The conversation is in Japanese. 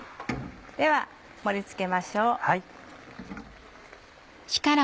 では盛り付けましょう。